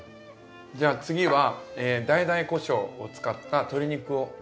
じゃあ次はダイダイこしょうを使った鶏肉を。